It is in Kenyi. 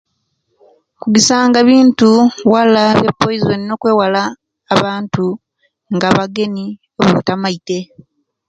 Kugisanga ebintu wala nepoison nokwewala abantu nga abageni abotamaite